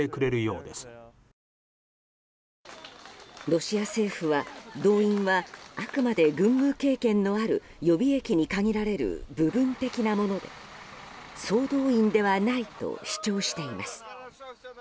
ロシア政府は動員は、あくまで軍務経験のある予備役に限られる部分的なもので総動員ではないと主張しています。